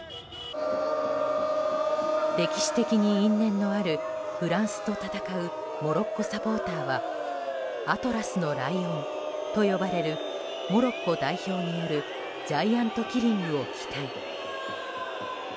歴史的に因縁のあるフランスと戦うモロッコサポーターはアトラスのライオンと呼ばれるモロッコ代表によるジャイアントキリングを期待。